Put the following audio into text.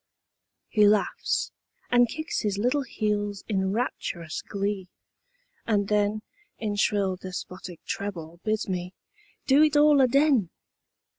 He laughs and kicks his little heels in rapturous glee, and then In shrill, despotic treble bids me "do it all aden!"